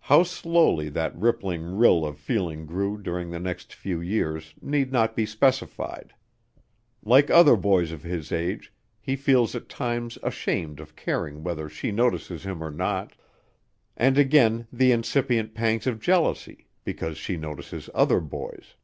How slowly that rippling rill of feeling grew during the next few years need not be specified. Like other boys of his age, he feels at times ashamed of caring whether she notices him or not, and again the incipient pangs of jealousy, because she notices other boys.